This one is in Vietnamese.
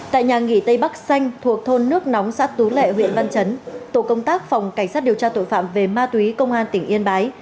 tại nhà nghỉ tây bắc xanh thuộc thôn nước nóng xã tú lệ huyện văn chấn tổ công tác phòng cảnh sát điều tra tội phạm về ma túy công an tỉnh yên bái